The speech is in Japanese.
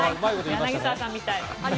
柳澤さんみたい。